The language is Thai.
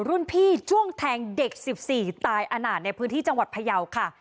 รุ่นพี่จ้วงแทงเด็ก๑๔ตายอนาจในพื้นที่จังหวัดพยาวค่ะ